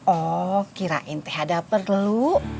oh kirain teh ada perlu